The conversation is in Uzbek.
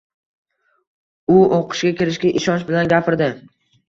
U o‘qishga kirishiga ishonch bilan gapirdi.